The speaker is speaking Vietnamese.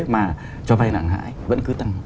mà cho vay nặng hãi vẫn cứ tăng